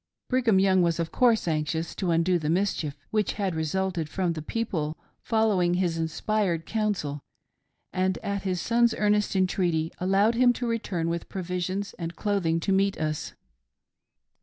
Brigham Young was of course anxious to undo the mischief which had resulted from the people following his inspired counsel, and at his son's earnest entreaty allowed him to return with provisions and clothing to meet us.